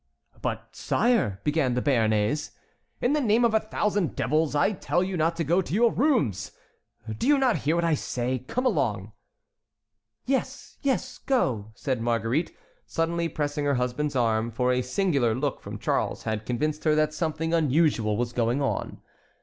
"But, sire," began the Béarnais. "In the name of a thousand devils, I tell you not to go to your rooms! Do you not hear what I say? Come along!" "Yes, yes, go!" said Marguerite, suddenly pressing her husband's arm; for a singular look from Charles had convinced her that something unusual was going on.